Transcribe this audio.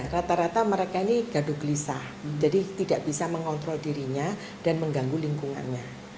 rata rata mereka ini gaduh gelisah jadi tidak bisa mengontrol dirinya dan mengganggu lingkungannya